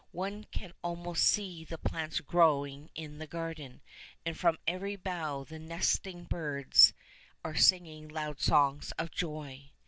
One can almost see the plants growing in the garden, and from every bough the nesting birds are singing loud songs of joy.